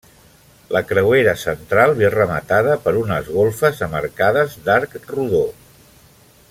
La creuera central ve rematada per unes golfes amb arcades d'arc rodó.